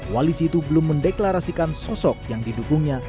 koalisi itu belum mendeklarasikan sosok yang didukungnya